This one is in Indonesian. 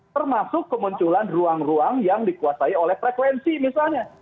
termasuk kemunculan ruang ruang yang dikuasai oleh frekuensi misalnya